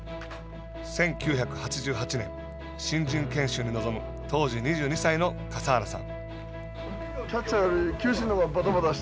１９８８年、新人研修に臨む当時２２歳の笠原さん。